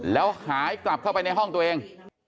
แล้วหายกลับเข้าไปในห้องตัวเอง